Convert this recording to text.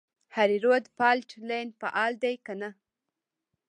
هریرود فالټ لاین فعال دی که نه؟